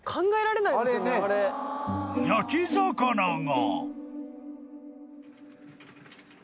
［焼き魚が］